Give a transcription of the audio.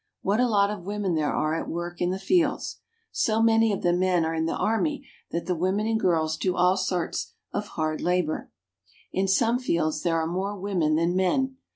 What a lot of women there are at work in the fields ! So many of the men are in the army that the women and girls do all sorts of hard labor. In some fields there are more women than men.